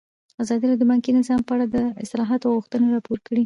ازادي راډیو د بانکي نظام په اړه د اصلاحاتو غوښتنې راپور کړې.